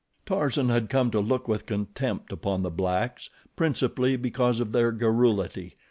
Tarzan had come to look with contempt upon the blacks, principally because of their garrulity.